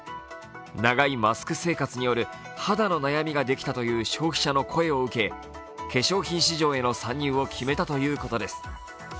長いマスク生活による肌の悩みができたという消費者の声を受け化粧品市場への参入を決めたということです。